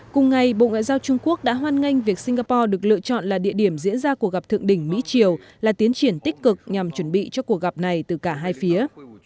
cùng ngày bộ ngoại giao trung quốc đã hoan nghênh việc singapore được lựa chọn là địa điểm diễn ra cuộc gặp thượng đỉnh mỹ triều là tiến triển tích cực nhằm chuẩn bị cho cuộc gặp này từ cả hai phía